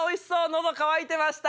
喉渇いてました。